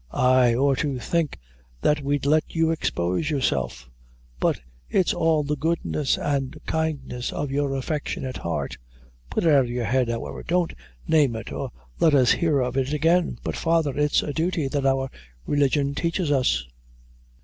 ay, or to think that we'd let you expose yourself? But it's all the goodness and kindness of your affectionate heart; put it out of your head, however don't name it, or let us hear of it again." "But, father, it's a duty that our religion teaches us."